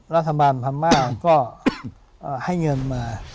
รัฐบาลพม่าก็ให้เงินมา